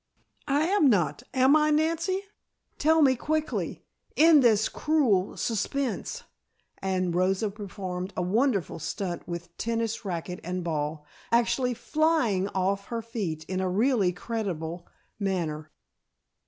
I am not, am I Nancy? Tell me quickly! End this 'crool' suspense " and Rosa performed a wonderful stunt with tennis racket and ball, actually "flying" off her feet in a really creditable manner.